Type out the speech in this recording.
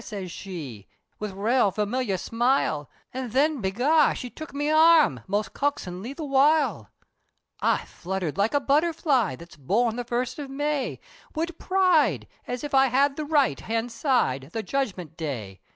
siz she Wid raal familiar smile, An' thin begar she took me arm, Most coaxingly the while; I fluttered like a butterfly, That's born the first of May, Wid pride, as if I had the right Hand side, the Judgment Day!